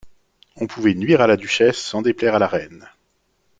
On pouvait nuire à la duchesse sans déplaire à la reine.